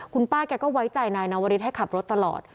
คุณป้าแกก็ไว้ใจนายนวริสให้ขับรถตลอด